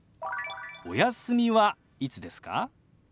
「お休みはいつですか？」。